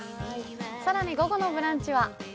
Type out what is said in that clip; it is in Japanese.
更に午後の「ブランチ」は？